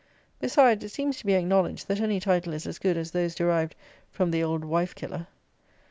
Besides, it seems to be acknowledged that any title is as good as those derived from the old wife killer.